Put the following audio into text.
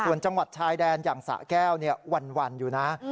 ส่วนจังหวัดชายแดนอย่างสะแก้ววันอยู่นะ